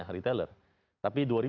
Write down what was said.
masa panennya retailer